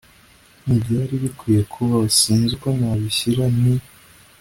ntibyari bikwiye kubaho. sinzi uko nabishyira. ni